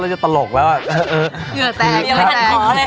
จะตลกแล้วอ่ะเออเหงื่อแตกยังไม่ทันขอเลย